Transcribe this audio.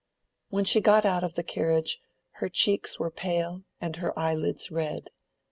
When she got out of the carriage, her cheeks were pale and her eyelids red.